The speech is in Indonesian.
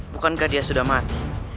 bukankah dia sudah mati